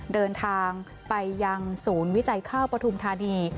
เดินทางไปยังศูนย์วิจัยข้าวปฐุมธานี